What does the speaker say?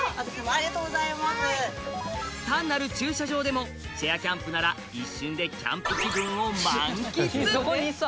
ありがとうございます単なる駐車場でもチェアキャンプなら一瞬でキャンプ気分を満喫！